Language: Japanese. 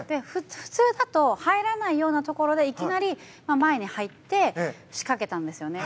普通だと入らないようなところでいきなり前に入って仕掛けたんですよね。